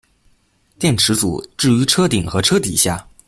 电池组置于车顶和车底下。